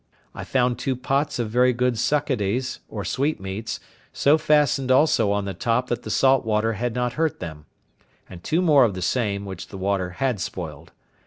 I found two pots of very good succades, or sweetmeats, so fastened also on the top that the salt water had not hurt them; and two more of the same, which the water had spoiled.